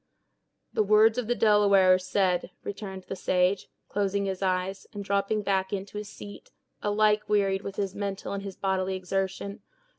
"The words of the Delaware are said," returned the sage, closing his eyes, and dropping back into his seat, alike wearied with his mental and his bodily exertion.